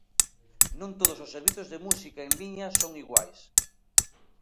Non todos os servizos de música en liña son iguais.